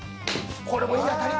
これもいい当たり。